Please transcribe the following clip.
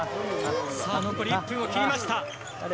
残り１分を切りました。